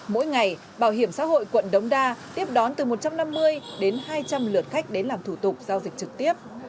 mỗi ngày bảo hiểm xã hội quận đống đa tiếp đón từ một trăm năm mươi đến hai trăm linh lượt khách đến làm thủ tục giao dịch trực tiếp